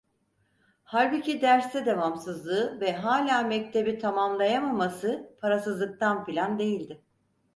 Halbuki derste devamsızlığı ve hâlâ mektebi tamamlayamaması parasızlıktan filan değildi.